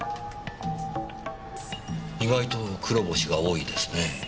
意外と黒星が多いですね。